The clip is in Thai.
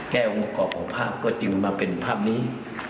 แก้วงกรอบของภาพก็จึงมาเป็นภาพนี้